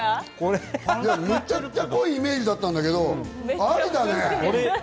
めちゃくちゃ濃いイメージだったんだけれども、ありだね！